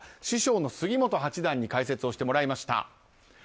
師匠の杉本八段に解説をしてもらいました。